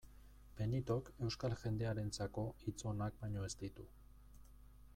Benitok euskal jendearentzako hitz onak baino ez ditu.